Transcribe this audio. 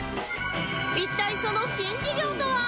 一体その新事業とは？